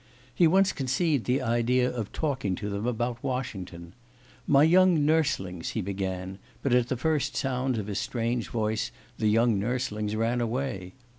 He once conceived the idea of talking to them about Washington: 'My young nurslings,' he began, but at the first sounds of his strange voice the young nurslings ran away.